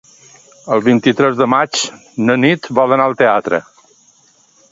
El vint-i-tres de maig na Nit vol anar al teatre.